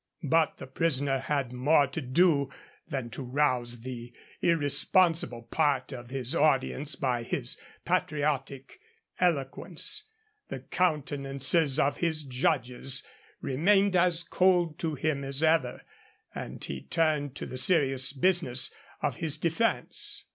But the prisoner had more to do than to rouse the irresponsible part of his audience by his patriotic eloquence. The countenances of his judges remained as cold to him as ever, and he turned to the serious business of his defence.